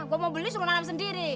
kok mau beli suruh nanam sendiri